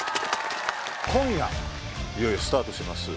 今夜いよいよスタートします